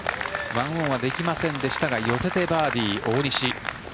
１オンはできませんでしたが寄せてバーディー、大西。